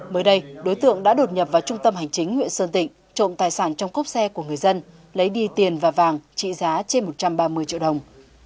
mới đây đối tượng đã đột nhập vào trung tâm hành chính huyện sơn tịnh trộm tài sản trong cốp xe của người dân lấy đi tiền và vàng trị giá trên một trăm ba mươi triệu đồng